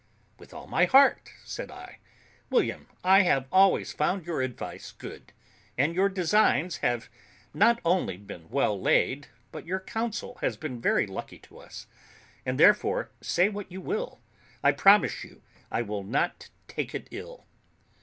"With all my heart," said I. "William, I have always found your advice good, and your designs have not only been well laid, but your counsel has been very lucky to us; and, therefore, say what you will, I promise you I will not take it ill."